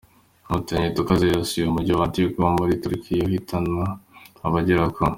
Umutingito ukaze wibasiye umujyi wa Antioch wo muri Turukiya uhitana abagera ku ,.